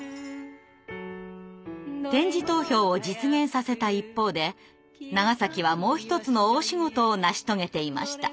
点字投票を実現させた一方で長はもう一つの大仕事を成し遂げていました。